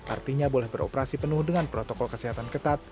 artinya boleh beroperasi penuh dengan protokol kesehatan ketat